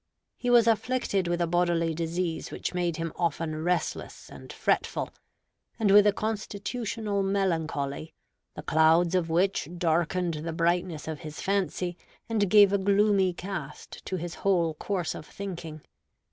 He was afflicted with a bodily disease which made him often restless and fretful; and with a constitutional melancholy, the clouds of which darkened the brightness of his fancy, and gave a gloomy cast to his whole course of thinking.